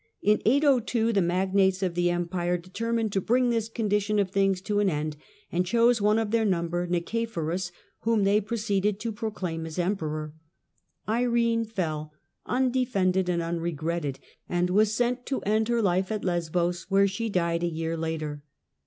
In 802 the magnates of the Empire deter mined to bring this condition of things to an end, and chose one of their number, Nicephorus, whom they pro ceeded to proclaim as emperor. Irene fell undefended and unregretted, and was sent to end her life at Lesbos, where she died a year later.